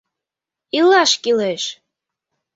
Илаш кӱлеш!